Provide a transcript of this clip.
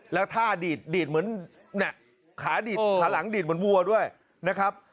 แล้วท่าดีดเหมือนขาดีดขาหลังดีดเหมือนวัวด้วยนะครับ